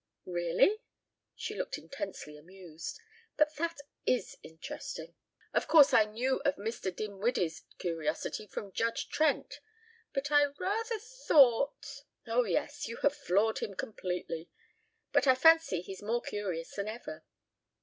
"Really?" She looked intensely amused. "But that is interesting. Of course I knew of Mr. Dinwiddie's curiosity from Judge Trent but I rather thought " "Oh, yes, you have floored him completely. But I fancy he's more curious than ever.